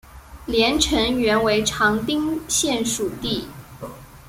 连城原为长汀县属地。